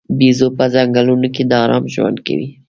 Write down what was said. بیزو په ځنګلونو کې د آرام ژوند کوي.